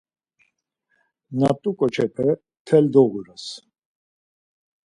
Na t̆u ǩoç̌epe mtel doğures.